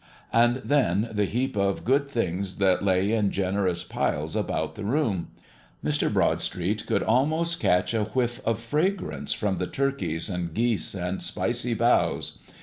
And then the heap of good things that lay in generous piles about the room! Mr. Broadstreet could almost catch a whiff of fragrance from the turkeys and geese and spicy boughs.